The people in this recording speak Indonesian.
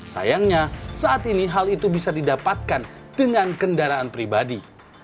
sayangnya saat ini hal itu bisa didapatkan dengan kendaraan pribadi